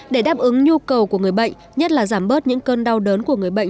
để đáp ứng nhu cầu của người bệnh nhất là giảm bớt những cơn đau đớn của người bệnh